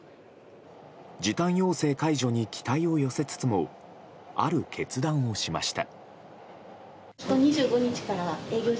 時短要請解除に期待を寄せつつもある決断をしました。